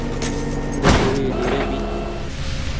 دەتەوێت لێرە بیت؟